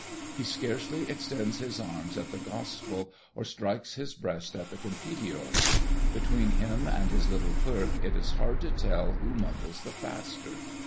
He scarcely extends his arms at the Gospel, or strikes his breast at the Confiteor. Between him and his little clerk it is hard to tell who mumbles the faster.